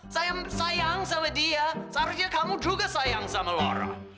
saya sayang sama dia seharusnya kamu juga sayang sama lora